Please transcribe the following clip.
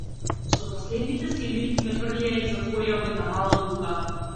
Со последните сили ме фрлија и затворија во една мала дупка.